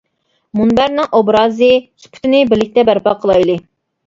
مۇنبەرنىڭ ئوبرازى، سۈپىتىنى بىرلىكتە بەرپا قىلايلى.